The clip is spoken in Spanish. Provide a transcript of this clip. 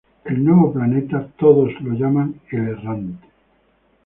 El nuevo planeta es llamado por todos "El Errante".